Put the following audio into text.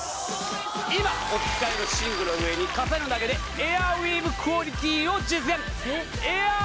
今お使いの寝具の上に重ねるだけでエアウィーヴクオリティーを実現